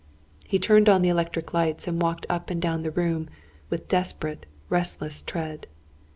He turned on the electric lights, and walked up and down the room, with desperate, restless tread.